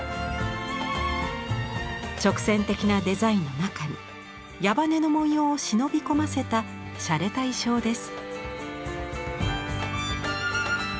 直線的なデザインの中に矢羽根の文様を忍び込ませたしゃれた意匠です。